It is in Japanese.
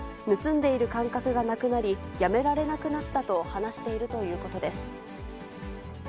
盗んでいる感覚がなくなり、やめられなくなったと話しているということです。